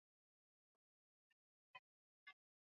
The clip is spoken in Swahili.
Alimchukia aliefanya ulimi wa binti huyo kuwa butu